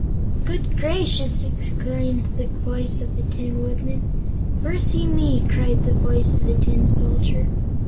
"Good gracious!" exclaimed the voice of the Tin Woodman. "Mercy me!" cried the voice of the Tin Soldier.